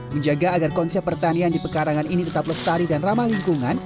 menjaga agar konsep pertanian di pekarangan ini tetap lestari dan ramah lingkungan